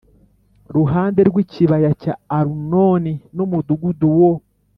ruhande rw ikibaya cya Arunoni n umudugudu wo